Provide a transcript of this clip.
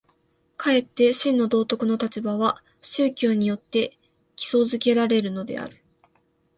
かえって真の道徳の立場は宗教によって基礎附けられるのである。